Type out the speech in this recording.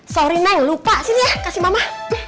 sorry nai lupa sini ya kasih mama